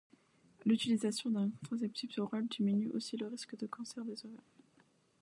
L'utilisation d'un contraceptif oral diminue aussi le risque de cancer des ovaires.